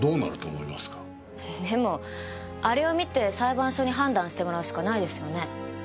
でもあれを見て裁判所に判断してもらうしかないですよね。